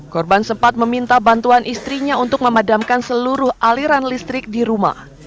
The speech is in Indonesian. korban sempat meminta bantuan istrinya untuk memadamkan seluruh aliran listrik di rumah